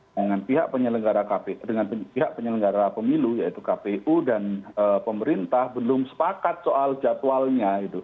dengan pihak penyelenggara pemilu yaitu kpu dan pemerintah belum sepakat soal jadwalnya